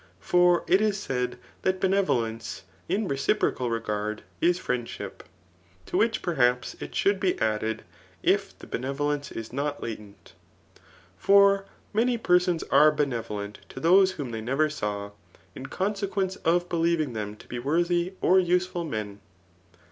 For it is said that benevolence, in reciprocal regard, is friendship ; to which perhaps it should be added, if the benevolence is not latent. For many persons are benevolent to those whom they never saw, in consequence of believing them to be worthy or useful men.